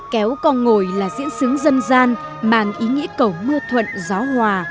kéo con ngồi là diễn xướng dân gian mang ý nghĩa cầu mưa thuận gió hòa